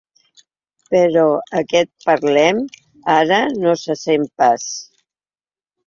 Però aquest “parlem” ara no se sent pas.